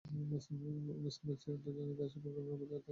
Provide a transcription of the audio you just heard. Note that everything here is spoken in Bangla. মুসলিমরা চিত্তরঞ্জন দাশের পরিকল্পনার প্রতি তাদের সমর্থন জানায়।